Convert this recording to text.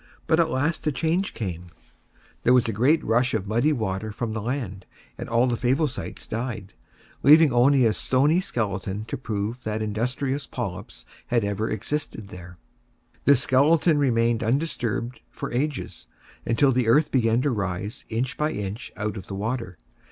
But at last a change came: there was a great rush of muddy water from the land, and all the Favosites died, leaving only a stony skeleton to prove that industrious Polyps had ever existed there. This skeleton remained undisturbed for ages, until the earth began to rise inch by inch out of the water.